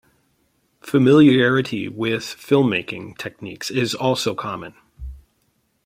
Familiarity with film-making techniques is also common.